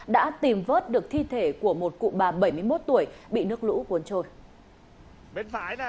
đã tìm vớt được thi thể của một cụ bà bảy mươi một tuổi bị nước lũ cuốn trôi